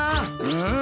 うん？